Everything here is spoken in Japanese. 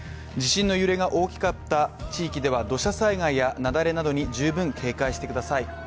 地震の揺れが大きかった地域では土砂災害や雪崩などに十分警戒してください。